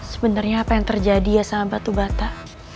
sebenarnya apa yang terjadi ya sama batu bata